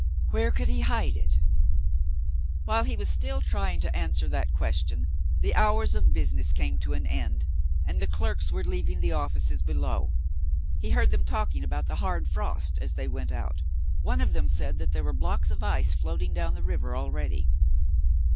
Where could he hide it? While he was still trying to answer that question, the hours of business came to an end, and the clerks were leaving the offices below. He heard them talking about the hard frost as they went out. One of them said there were blocks of ice floating down the river already.